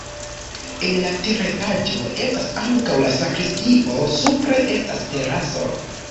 En la teretaĝo estas ankaŭ la sakristio, supre estas teraso.